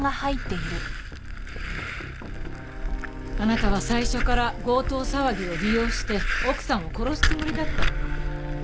あなたは最初から強盗騒ぎを利用して奥さんを殺すつもりだった。